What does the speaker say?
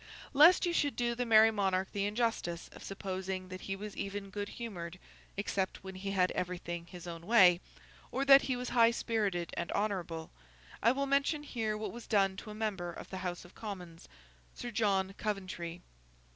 Lest you should do the Merry Monarch the injustice of supposing that he was even good humoured (except when he had everything his own way), or that he was high spirited and honourable, I will mention here what was done to a member of the House of Commons, Sir John Coventry.